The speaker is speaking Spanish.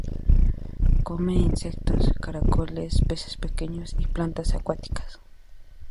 Come insectos, caracoles, peces pequeños y plantas acuáticas.